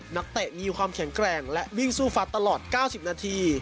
เตะมีความแข็งแกร่งและวิ่งสู้ฟัดตลอด๙๐นาที